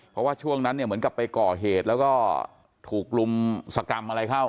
เพราะว่าช่วงนั้นเนี่ยเหมือนกับไปก่อเหตุแล้วก็ถูกรุมสกรรมอะไรเข้า